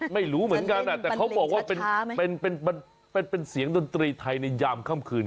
ไม่รู้เหมือนกันแต่เขาบอกว่าเป็นเสียงดนตรีไทยในยามค่ำคืน